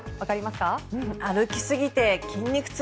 歩きすぎて筋肉痛。